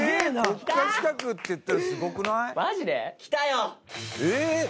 「国家資格っていったらすごくない？」